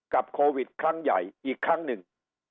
โควิดครั้งใหญ่อีกครั้งหนึ่ง